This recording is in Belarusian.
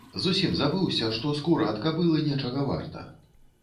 Зусім забыўся, што скура ад кабылы нечага варта.